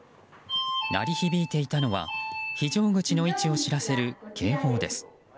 鳴り響ていたのは非常口の位置を知らせる警報です。